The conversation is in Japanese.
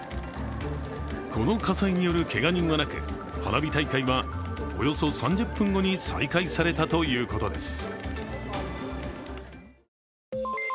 この火災によるけが人はなく、花火大会はおよそ３０分後に再開されたということです。